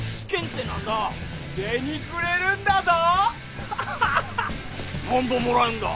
なんぼもらえんだ？